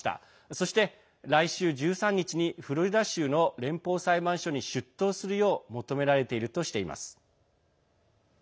そして来週１３日にフロリダ州の連邦裁判所に出頭するよう求められているとしています。